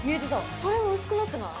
それも薄くなってない？